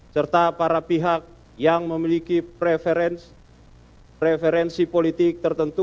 serta para pihak yang memiliki preferensi politik